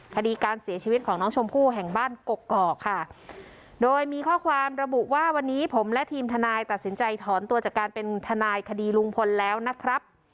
คดีการเสียชีวิตของน้องชมพู่แห่งบ้านกกอกค่ะโดยมีข้อความระบุว่าวันนี้ผมและทีมทนายตัดสินใจถอนตัวจากการเป็นทนายคดีลุงพลแล้วนะครับ